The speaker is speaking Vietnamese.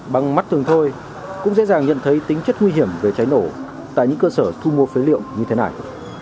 bằng mắt thường thôi cũng dễ dàng nhận thấy tính chất nguy hiểm về cháy nổ tại những cơ sở thu mua phế liệu như thế này